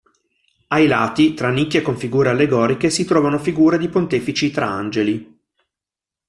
Ai lati, tra nicchie con figure allegoriche, si trovano figure di pontefici tra angeli.